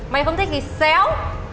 mày không thích thì xéo